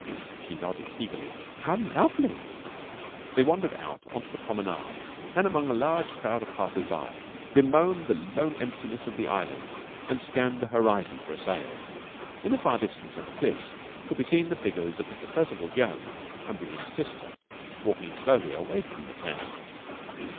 She nodded eagerly. "How lovely!" They wandered out on to the promenade, and among a large crowd of passers by bemoaned the lonely emptiness of the island and scanned the horizon for a sail. In the far distance on the cliffs could be seen the figures of Mr. Percival Jones and William's sister, walking slowly away from the town.